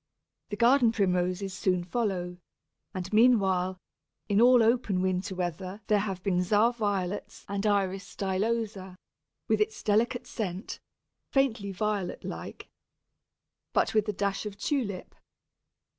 The garden Primroses soon follow, and, meanwhile, in all open winter weather there have been Czar Violets and Iris stylosa, with its delicate scent, faintly violet like, but with a dash of tulip.